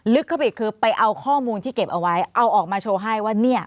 ลึกเข้าไปอีกคือไปเอาข้อมูลที่เก็บเอาไว้เอาออกมาโชว์ให้ว่าเนี่ย